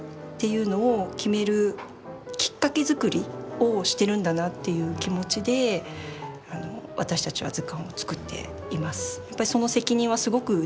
をしてるんだなという気持ちで私たちは図鑑を作っています。